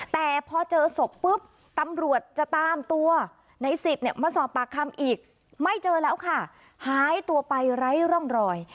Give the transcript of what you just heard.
แต่พอเจอศพปุ๊บตำรวจจะตามตัวในสิบเนี่ยมาสอบปากคำอีกไม่เจอแล้วค่ะหายตัวไปไร้ร่องรอย